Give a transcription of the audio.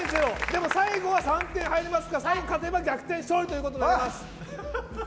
でも最後は３点入りますから最後、勝てば逆転勝利となります。